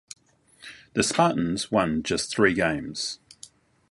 The Spartans won just three games.